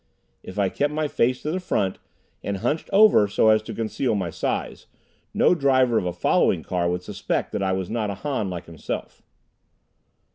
If I kept my face to the front, and hunched over so as to conceal my size, no driver of a following car would suspect that I was not a Han like himself.